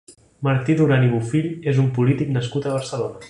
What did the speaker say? Martí Duran i Bofill és un polític nascut a Barcelona.